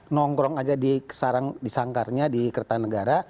nongkrong aja di sarang disangkarnya di kertanegara